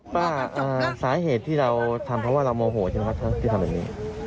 สาเหตุที่เราทำเพราะว่าเราโมโหใช่ไหมครับที่ทำแบบนี้